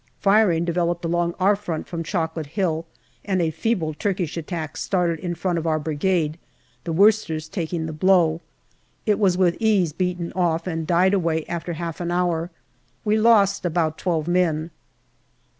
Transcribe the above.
Firing developed along our front from Chocolate Hill, and a feeble Turkish attack started in front of our Brigade, the Worcesters taking the blow. It was with ease beaten off, and died away after half an hour. We lost about twelve men.